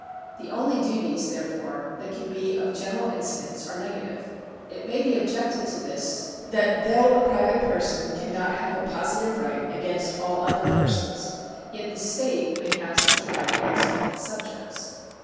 The only duties, therefore, that can be of general incidence are negative. It may be objected to this, that though a private person cannot have a positive right against all other persons, yet the state may have such a right against all its subjects.